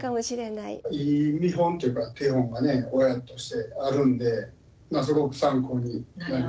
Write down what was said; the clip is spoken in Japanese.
いい見本っていうか手本がね親としてあるんですごく参考になりますね。